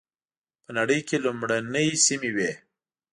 په نړۍ کې لومړنۍ سیمې وې.